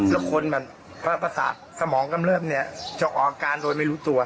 แล้วคนแบบประสาทสมองกำเริบเนี่ยจะออกอาการโดยไม่รู้ตัว